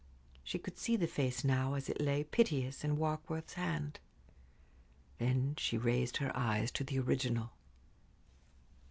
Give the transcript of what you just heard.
She could see the face now, as it lay piteous, in Warkworth's hand. Then she raised her eyes to the original.